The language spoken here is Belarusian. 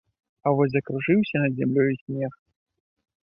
А вось закружыўся над зямлёю снег.